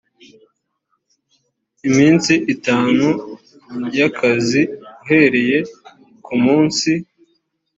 iminsi itanu y akazi uhereye ku munsi